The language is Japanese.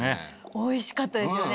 おいしかったですよね。